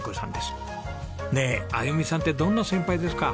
ねえあゆみさんってどんな先輩ですか？